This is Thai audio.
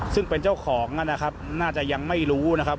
ซึ่งเป็นเจ้าของนะครับน่าจะยังไม่รู้นะครับ